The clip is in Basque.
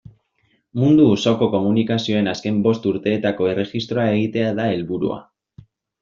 Mundu osoko komunikazioen azken bost urteetako erregistroa egitea da helburua.